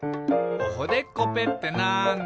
「おほでっこぺってなんだ？」